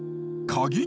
鍵？